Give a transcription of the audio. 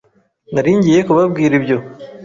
Nari ngiye kubabwira ibyo.